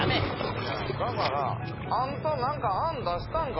いやだからあんたなんかあんだしたんか？